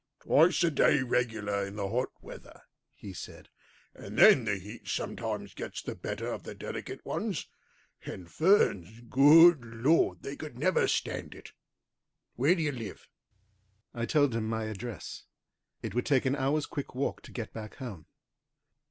"Twice a day regular in the hot weather," he said, "and then the heat sometimes gets the better fo the delicate ones. And ferns, good Lord! they could never stand it. Where do you live?" I told him my address. It would take an hour's quick walk to get back home.